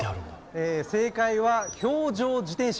正解は氷上自転車。